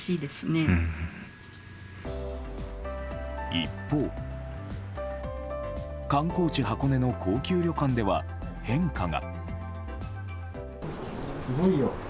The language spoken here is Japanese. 一方、観光地・箱根の高級旅館では変化が。